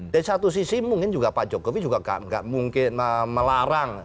di satu sisi mungkin juga pak jokowi juga nggak mungkin melarang